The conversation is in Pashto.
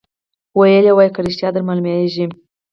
ویل وایه که ریشتیا در معلومیږي